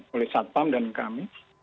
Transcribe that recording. wali satpam dan kami